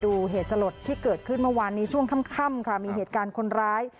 เหตุสลดที่เกิดขึ้นเมื่อวานนี้ช่วงค่ำค่ะมีเหตุการณ์คนร้าย